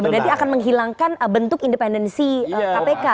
berarti akan menghilangkan bentuk independensi kpk